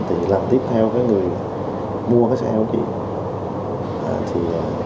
thì làm tiếp theo người mua xe của chị